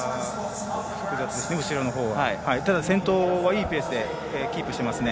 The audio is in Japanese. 先頭はいいペースでキープしていますね。